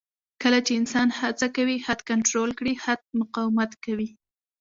کله انسان هڅه کوي خط کنټرول کړي، خط مقاومت کوي.